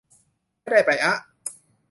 ไม่ได้ไปอ๊ะ